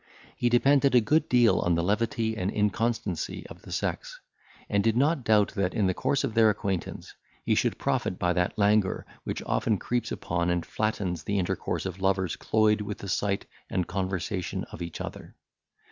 He depended a good deal on the levity and inconstancy of the sex; and did not doubt that, in the course of their acquaintance, he should profit by that languor which often creeps upon and flattens the intercourse of lovers cloyed with the sight and conversation of each other.